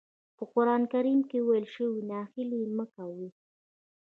په قرآن کريم کې ويل شوي ناهيلي مه کوئ.